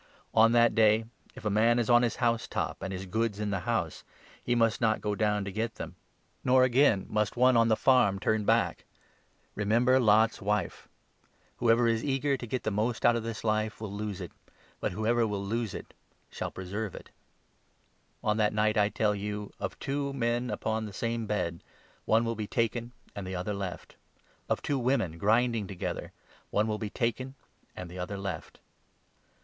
On that day, if a 31 man is on his house top and his goods in the house, he must not go down to get them ; nor again must one who is on the " Lev. 13. 49. * Gen. 7. 7. » «i Gen. 19. 24, 26. LUKE, 17 18. 145 farm turn back. Remember Lot's wife. Whoever is eager to 32, get the most out of his life will lose it ; but whoever will lose it shall preserve it. On that night, I tell you, of two men upon 34 the same bed, one will be taken and the other left ; of two women 35 grinding together, one will be taken and the other left."